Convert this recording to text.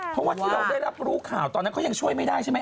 เพราะว่าที่เราได้รับรู้ข่าวตอนนั้นเขายังช่วยไม่ได้ใช่ไหม